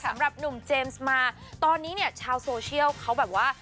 สำหรับหนุ่มเจมส์มาตอนนี้เนี่ยชาวโซเชียลเขาแบบว่า